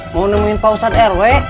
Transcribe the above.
mau nungguin pak ustadz rw